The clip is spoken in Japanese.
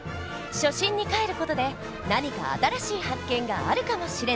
初心にかえる事で何か新しい発見があるかもしれない！